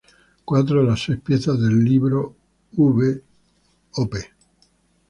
Cuatro de las seis piezas del Libro V, Op.